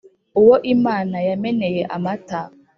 uwo imana yameneye amata